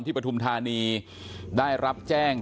ปฐุมธานีได้รับแจ้ง